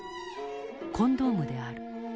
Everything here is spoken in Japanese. コンドームである。